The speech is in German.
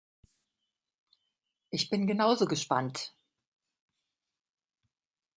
Ich bin genauso gespannt.